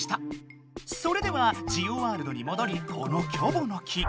それではジオワールドにもどりこのキョボの木。